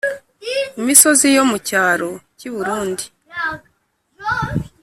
imisozi yo mu cyaro cy i Burundi